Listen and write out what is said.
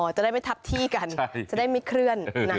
จะได้ไปทับที่กันจะได้ไม่เคลื่อน